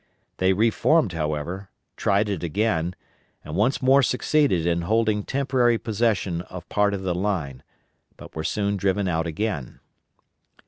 They reformed, however; tried it again, and once more succeeded in holding temporary possession of part of the line, but were soon driven out again.